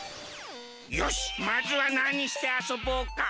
よしまずはなにしてあそぼうか。